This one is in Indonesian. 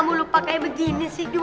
aku punya ide yang cemerlang